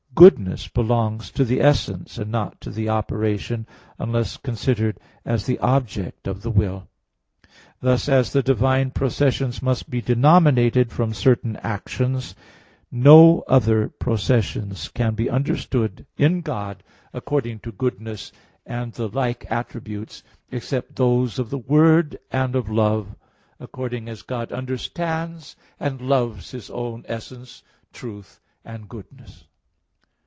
goodness belongs to the essence and not to the operation, unless considered as the object of the will. Thus, as the divine processions must be denominated from certain actions; no other processions can be understood in God according to goodness and the like attributes except those of the Word and of love, according as God understands and loves His own essence, truth and goodness.